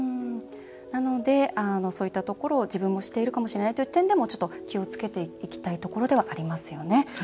なのでそういったところを自分もしているかもしれないという点でも、ちょっと気をつけていきたいところではありますよね。